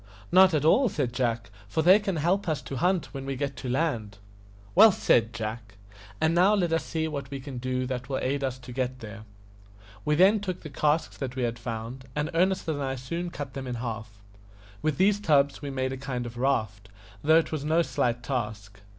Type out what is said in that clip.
"Not at all," said Jack, "for they can help us to hunt when we get to land." "Well said, Jack. And now let us see what we can do that will aid us to get there." We then took the casks that we had found, and Ernest and I soon cut them in half. With these tubs we made a kind of raft, though it was no slight task.